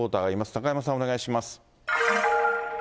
中山さん、お願いします。